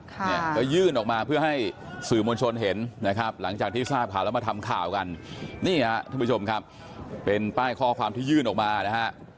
เนี่ยก็ยื่นออกมาเพื่อให้สื่อมวลชนเห็นนะครับหลังจากที่ทราบข่าวแล้วมาทำข่าวกันนี่ฮะท่านผู้ชมครับเป็นป้ายข้อความที่ยื่นออกมานะฮะ